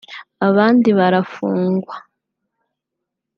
abandi barafungwa